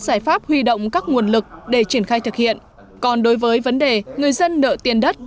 giải pháp huy động các nguồn lực để triển khai thực hiện còn đối với vấn đề người dân nợ tiền đất